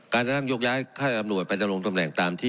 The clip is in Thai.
การตั้งยกย้ายข้าวอำนวตไปตำแหน่งตำแหน่งตามที่